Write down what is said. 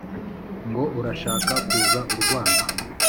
ngo urashaka kuza urwana